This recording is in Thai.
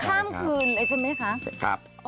ข้ามคืนเลยใช่มั้ยคะ